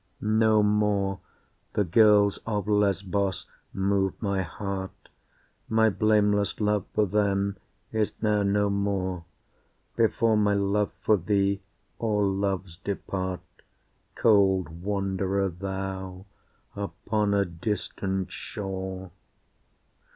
No more the girls of Lesbos move my heart, My blameless love for them is now no more, Before my love for thee all loves depart, Cold wanderer thou upon a distant shore.